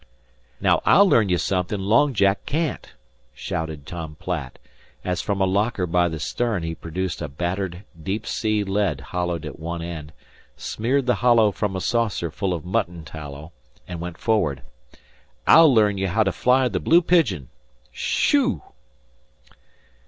"Now I'll learn you something Long Jack can't," shouted Tom Platt, as from a locker by the stern he produced a battered deep sea lead hollowed at one end, smeared the hollow from a saucer full of mutton tallow, and went forward. "I'll learn you how to fly the Blue Pigeon. Shooo!"